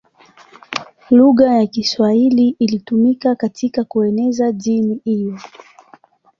Lugha ya Kiswahili ilitumika katika kueneza dini hiyo.